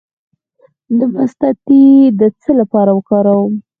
د مصطکي د څه لپاره وکاروم؟